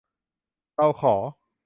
เราขอ